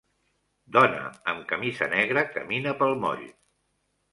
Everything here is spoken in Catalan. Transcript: Dona amb camisa negra camina pel moll.